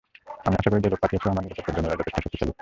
আশা করি যে লোক পাঠিয়েছ আমার নিরাপত্তার জন্য ওরা যথেষ্ট শক্তিশালী?